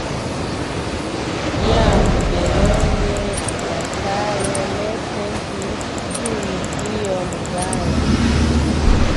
Jam de longe la caro ne sentis sin tiom gaja.